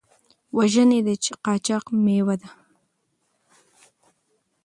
وژنې د قاچاق مېوه ده.